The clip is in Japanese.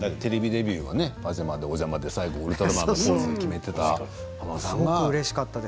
テレビデビューは「パジャマでおじゃま」で最後にウルトラマンのポーズを決めていた子が。